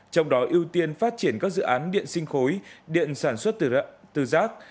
trong đó ưu tiên phát triển các dự án điện sinh khối điện sản xuất từ rác